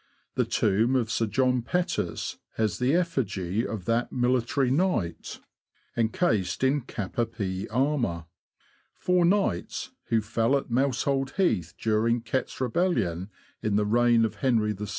The tomb of Sir J. Pettus has the effigy of that military knight, encased in cap a pie armour. Four knights, who fell at Mousehold Heath during Rett's Rebellion, in the reign of Henry VI.